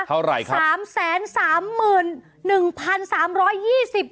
เท่าไหร่ครับ